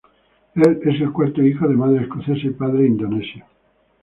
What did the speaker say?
Él es el cuarto hijo de madre escocesa y padre indonesio.